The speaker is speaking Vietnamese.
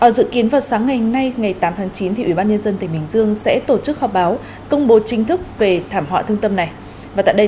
dự kiến vào sáng ngày tám tháng chín ủy ban nhân dân tỉnh bình dương sẽ tổ chức họp báo công bố chính thức về thảm họa thương tâm này